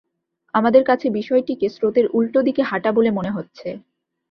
আমাদের কাছে বিষয়টিকে স্রোতের উল্টো দিকে হাঁটা বলে মনে হচ্ছে।